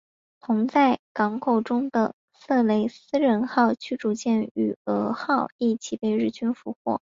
同在港口中的色雷斯人号驱逐舰与蛾号一起被日军俘获。